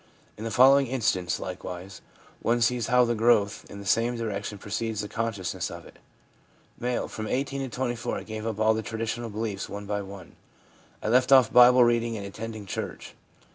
In the following instance, likewise, one sees how the growth in the same direction precedes the consciousness of it. M. * From 18 to 24 I gave up all the traditional beliefs one by one. I left off Bible reading and attending church.